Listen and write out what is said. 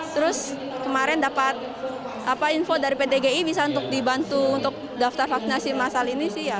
terus kemarin dapat info dari pdgi bisa untuk dibantu untuk daftar vaksinasi masal ini sih ya